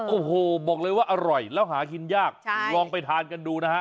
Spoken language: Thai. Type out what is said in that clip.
โอ้โหบอกเลยว่าอร่อยแล้วหากินยากลองไปทานกันดูนะฮะ